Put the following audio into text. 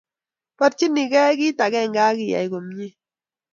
Porchinkey kit akenge akiay komnye.